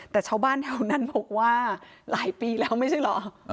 แต่ชาวบ้านแถวนั้นบอกว่าหลายปีแล้วไม่ใช่เหรอ